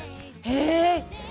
へえ！